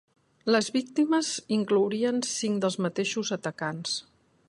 Les víctimes inclourien cinc dels mateixos atacants.